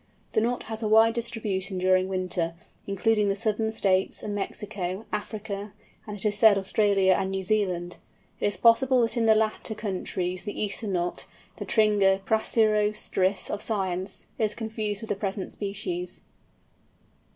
The Knot has a wide distribution during winter, including the Southern States, and Mexico, Africa, and it is said Australia, and New Zealand! It is possible that in the latter countries the Eastern Knot—the Tringa crassirostris of science—is confused with the present species.